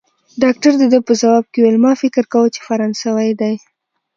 ډاکټر د ده په ځواب کې وویل: ما فکر کاوه، چي فرانسوی دی.